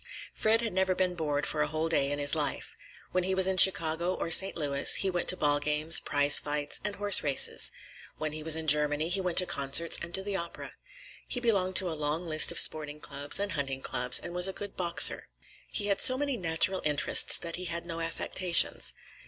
Fred had never been bored for a whole day in his life. When he was in Chicago or St. Louis, he went to ballgames, prize fights, and horse races. When he was in Germany, he went to concerts and to the opera. He belonged to a long list of sporting clubs and hunting clubs, and was a good boxer. He had so many natural interests that he had no affectations.